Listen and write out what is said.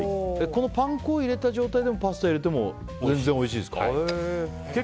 パン粉を入れた状態でパスタを入れてもおいしいです。